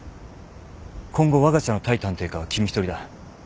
今後わが社の対探偵課は君一人だ。